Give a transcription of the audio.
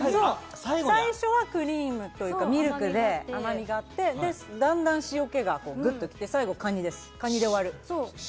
最初はクリームっていうか、ミルクで、甘みがあって、だんだん塩気がぐっときて、最後カニで終わり。